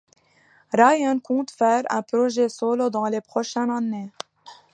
Ryan compte faire un projet solo dans les prochaines années.